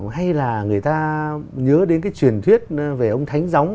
hay là người ta nhớ đến cái truyền thuyết về ông thánh gióng